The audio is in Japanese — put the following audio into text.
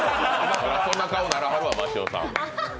そんな顔ならはるわ、真塩さん。